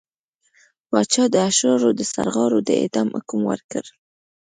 پاچا د اشرارو د سرغاړو د اعدام حکم ورکړ.